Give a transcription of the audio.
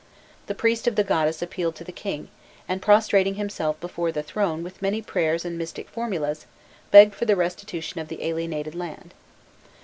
The priest of the goddess appealed to the king, and prostrating himself before the throne with many prayers and mystic formulas, begged for the restitution of the alienated land.